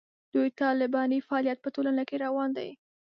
دوی طالباني فعالیت په ټولنه کې روان دی.